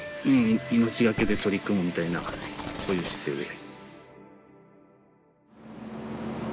命がけで取り組むみたいなそういう姿勢で。